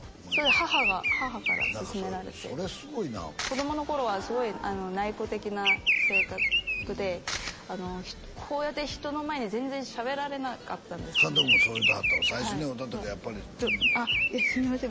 母が母から勧められてそれすごいな子供の頃はすごい内向的な性格でこうやって人の前で全然しゃべられなかったんです監督もそう言うてはったわ最初に会うた時はやっぱり「ちょっあっすいません」